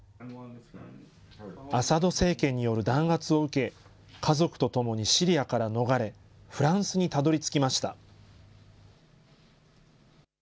アサド政権による弾圧を受け、家族と共にシリアから逃れ、フランスにたどりつきました。